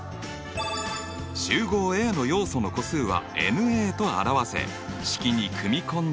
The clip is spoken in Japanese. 集合Ａの要素の個数はｎと表せ式に組み込んで計算できる。